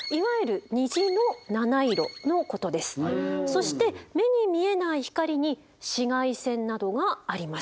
そして目に見えない光に紫外線などがあります。